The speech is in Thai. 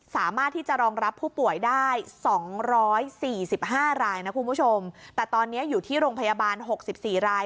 สามารถที่จะรองรับผู้ป่วยได้๒๔๕รายนะคุณผู้ชมแต่ตอนนี้อยู่ที่โรงพยาบาล๖๔ราย